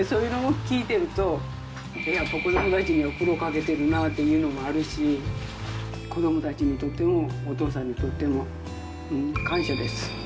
そういうのを聞いてると、いや、子どもたちに苦労かけてるなというのもあるし、子どもたちにとっても、お父さんにとっても、感謝です。